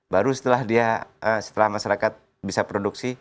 baru setelah dia setelah masyarakat bisa produksi